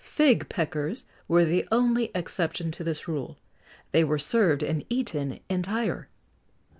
Fig peckers were the only exception to this rule: they were served and eaten entire.